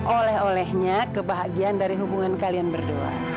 oleh olehnya kebahagiaan dari hubungan kalian berdua